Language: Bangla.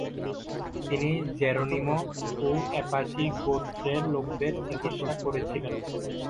তিনি জেরোনিমো ও অ্যাপাচি গোত্রের লোকদের চিকিৎসা করেছিলেন।